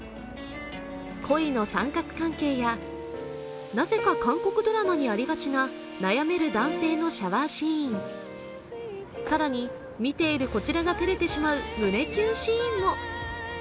恋の三角関係や、なぜか韓国ドラマにありがちな悩める男性のシャワーシーン、更に、見ているこちらが照れてしまう、胸キュンシーンも。